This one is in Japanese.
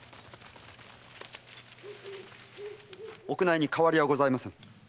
屋内に変わりはございません。